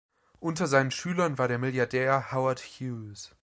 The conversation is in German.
Unter seinen Schülern war der Milliardär Howard Hughes.